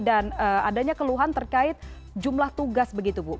dan adanya keluhan terkait jumlah tugas begitu bu